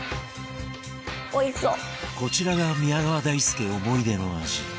こちらが宮川大輔、思い出の味